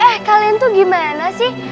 eh kalian tuh gimana sih